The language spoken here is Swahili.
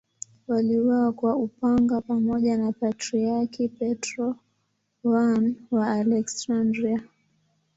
Waliuawa kwa upanga pamoja na Patriarki Petro I wa Aleksandria.